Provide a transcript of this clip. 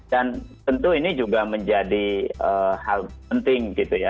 dan tentu ini juga menjadi hal penting gitu ya